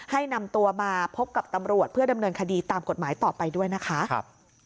ให้นำตัวมาพบกับตำรวจเพื่อดำเนินคดีตามกฎหมายต่อไปด้วยนะคะ